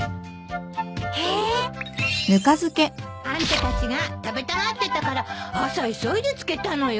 えー！あんたたちが食べたがってたから朝急いで漬けたのよ。